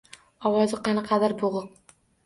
Ovozi qanaqadir boʻgʻiq.